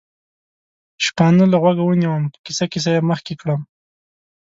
شپانه له غوږه ونیوم، په کیسه کیسه یې مخکې کړم.